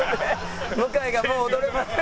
向井が「もう踊れません」